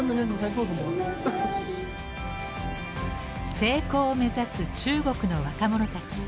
成功を目指す中国の若者たち。